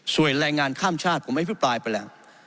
สวยแรงงานข้ามชาติผมไม่พูดปลายไปแล้ว